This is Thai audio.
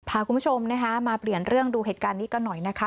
พาคุณผู้ชมนะคะมาเปลี่ยนเรื่องดูเหตุการณ์นี้กันหน่อยนะคะ